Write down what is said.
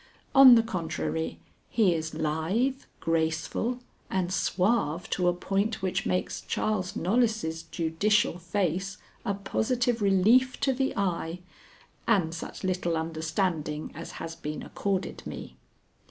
On the contrary, he is lithe, graceful, and suave to a point which makes Charles Knollys' judicial face a positive relief to the eye and such little understanding as has been accorded me.